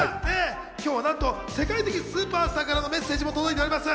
今日は、なんと世界的スーパースターからのメッセージも届いています。